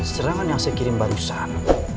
serangan yang saya kirim barusan